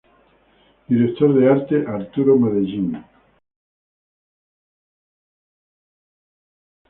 Director de arte: Arturo Medellín.